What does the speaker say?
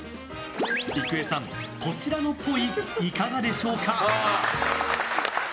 郁恵さん、こちらのっぽいいかがでしょうか？